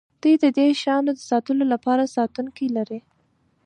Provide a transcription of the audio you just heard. دوی د دې شیانو د ساتلو لپاره ساتونکي لري